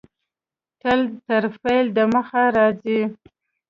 تل تر فعل د مخه راځي.